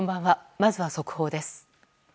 まずは速報です。